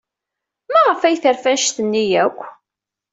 Maɣef ay terfa anect-nni akk?